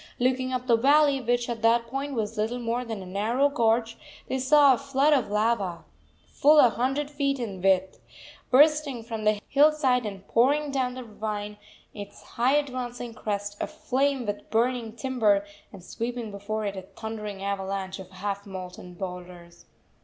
Looking up the valley, which at that point was little more than a narrow gorge, they saw a flood of lava, full a hundred feet in width, bursting from the hillside and pouring down the ravine, its high advancing crest aflame with burning timber, and sweeping before it a thundering avalanche of half molten boulders.